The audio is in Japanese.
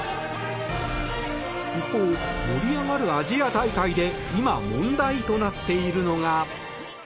一方、盛り上がるアジア大会で今問題となっているのが。